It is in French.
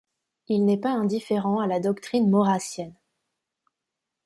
Il n'est pas indifférent à la doctrine maurrassienne.